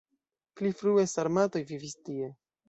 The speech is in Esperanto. Pli frue sarmatoj vivis tie.